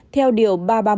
theo điều ba trăm ba mươi một